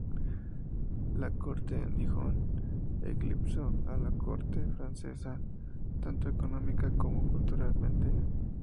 La corte en Dijon eclipsó a la corte francesa tanto económica como culturalmente.